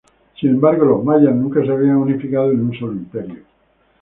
Sin embargo, los mayas nunca se habían unificado en un solo imperio.